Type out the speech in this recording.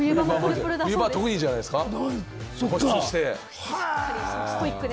冬場は特にじゃないですか？